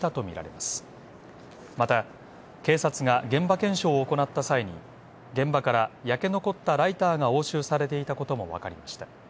また、警察が現場検証を行った際に現場から焼け残ったライターが押収されていたこともわかりました。